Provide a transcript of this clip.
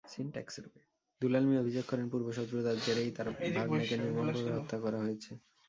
দুলাল মিয়া অভিযোগ করেন, পূর্বশত্রুতার জেরেই তাঁর ভাগনেকে নির্মমভাবে হত্যা করা হয়েছে।